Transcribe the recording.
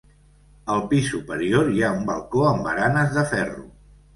Al pis superior hi ha un balcó amb baranes de ferro.